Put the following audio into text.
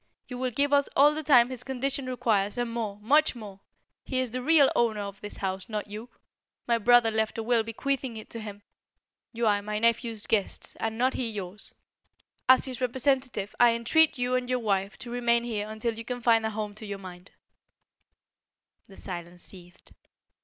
"You will give us all the time his condition requires and more, much more. He is the real owner of this house, not you. My brother left a will bequeathing it to him. You are my nephew's guests, and not he yours. As his representative I entreat you and your wife to remain here until you can find a home to your mind." The silence seethed.